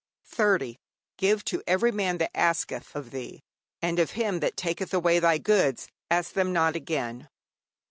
'30. Give to every man that asketh of thee; and of him that taketh away thy goods ask them not again.'